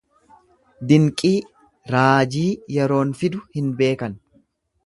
Dinqii, raajii yeroon fidu hin beekan.